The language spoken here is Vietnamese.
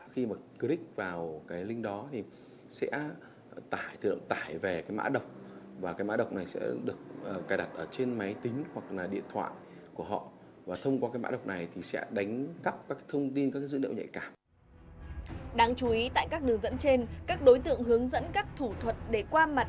đáng chú ý tại các đường dẫn trên các đối tượng hướng dẫn các thủ thuật để qua mặt các đường dẫn trên